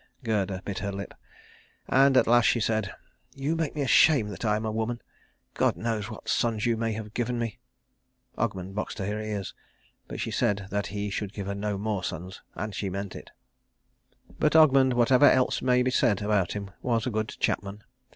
Gerda bit her lip; and at last she said, "You make me ashamed that I am a woman. God knows what sons you may have given me." Ogmund boxed her ears; but she said that he should give her no more sons, and she meant it. But Ogmund, whatever else may be said about him, was a good chapman.